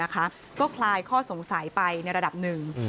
ก็คลายข้อสงสัยไปในระดับหนึ่ง